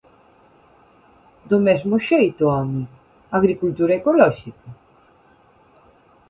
Do mesmo xeito, ¡home!, ¿agricultura ecolóxica?